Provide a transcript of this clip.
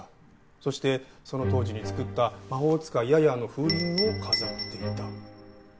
そしてその当時に作った『魔法使いヤヤー』の風鈴を飾っていた。